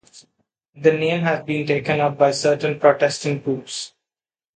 The name has been taken up by certain Protestant groups.